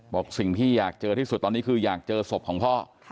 บอกสิ่งที่อยากเจอที่สุดตอนนี้คืออยากเจอศพของพ่อ